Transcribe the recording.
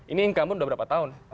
ini income nya udah berapa tahun